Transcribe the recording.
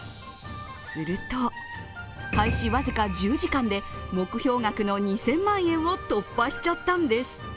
すると、開始僅か１０時間で目標額の２０００万円を突破しちゃったんです。